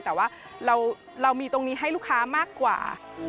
แต่ว่าเรามีตรงนี้ให้ลูกค้ามากกว่า